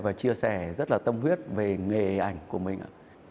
và chia sẻ rất là tâm huyết về nghề ảnh của mình ạ